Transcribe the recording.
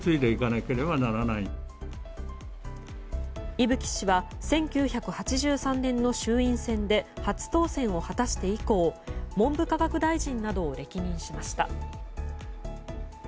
伊吹氏は１９８３年の衆院選で初当選を果たして以降文部科学大臣などを歴任しました。